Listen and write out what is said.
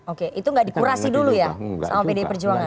oke itu nggak dikurasi dulu ya sama pdi perjuangan